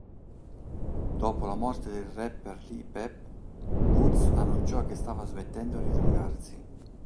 Dopo la morte del rapper Lil Peep, Woods annunciò che stava smettendo di drogarsi.